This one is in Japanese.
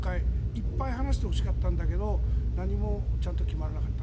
いっぱい話してほしかったんだけど何もちゃんと決まらなかった。